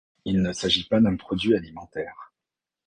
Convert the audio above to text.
Il ne s'agit pas d'un produit alimentaire.